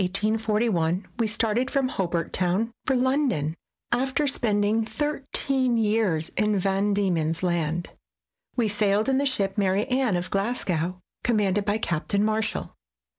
In January, 1841, we started from Hobart Town for London, after spending thirteen years in Van Diemen's Land. We sailed in the ship Mary Anne, of Glasgow, commanded by Captain Marshall.